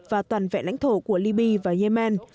và toàn vẹn lãnh thổ của libya và yemen